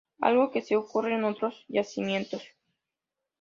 Algo que sí ocurre en otros yacimientos.